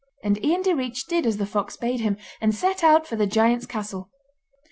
And Ian Direach did as the fox bade him, and set out for the giant's castle.